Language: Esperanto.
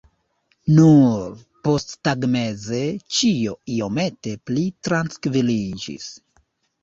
Nur posttagmeze ĉio iomete pli trankviliĝis.